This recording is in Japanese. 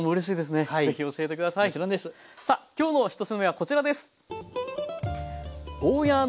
さあ今日の１品目はこちらです！